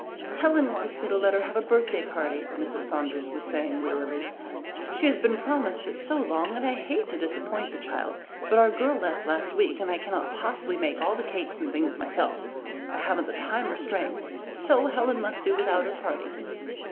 "Helen wants me to let her have a birthday party," Mrs. Saunders was saying wearily. "She has been promised it so long and I hate to disappoint the child, but our girl left last week, and I cannot possibly make all the cakes and things myself. I haven't the time or strength, so Helen must do without her party."